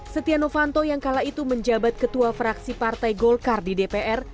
setia novanto yang kala itu menjabat ketua fraksi partai golkar di dpr